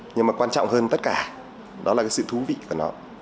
nhưng mà quan trọng hơn tất cả đó là cái sự thú vị của nó